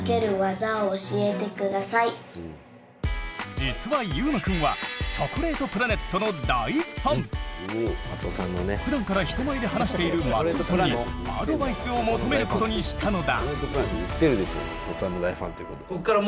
実はゆうまくんはふだんから人前で話している松尾さんにアドバイスを求めることにしたのだ。